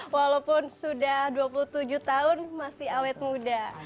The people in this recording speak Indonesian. walaupun sudah dua puluh tujuh tahun masih awet muda